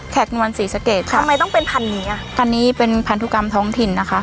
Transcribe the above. คนวลศรีสะเกดค่ะทำไมต้องเป็นพันนี้อ่ะพันนี้เป็นพันธุกรรมท้องถิ่นนะคะ